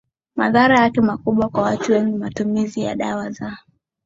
madhara yake makubwa Kwa watu wengi matumizi ya dawa za